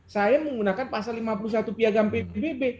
saya menggunakan pasal lima puluh satu piagam pbb